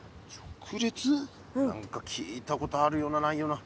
何か聞いたことあるようなないような。